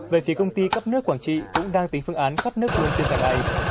về phía công ty cấp nước quảng trị cũng đang tính phương án cấp nước luôn trên tháng ngày